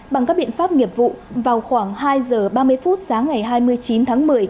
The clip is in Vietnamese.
bằng các biện pháp nghiệp vụ vào khoảng hai giờ ba mươi phút sáng ngày hai mươi chín tháng một mươi